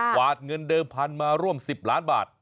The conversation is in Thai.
วาดเงินเดิมพันธุ์มาร่วม๑๐ล้านบาท